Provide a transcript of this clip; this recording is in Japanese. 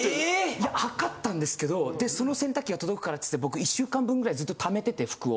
いや測ったんですけどでその洗濯機が届くからつって僕１週間分ぐらいずっとためてて服を。